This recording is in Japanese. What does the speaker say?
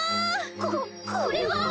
ここれは！